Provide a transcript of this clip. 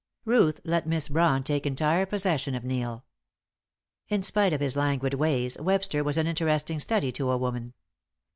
Ruth let Miss Brawn take entire possession of Neil. In spite of his languid ways, Webster was an interesting study to a woman.